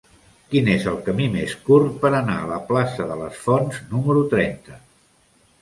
Quin és el camí més curt per anar a la plaça de les Fonts número trenta?